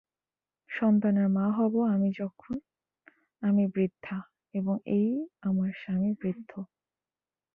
সন্তানের মা হব আমি যখন আমি বৃদ্ধা এবং এই আমার স্বামী বৃদ্ধ!